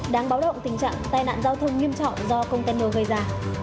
đáng báo động tình trạng tai nạn giao thông nghiêm trọng do công tên đồ gây ra